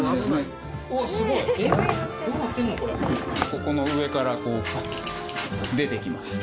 ここの上からこう出てきます。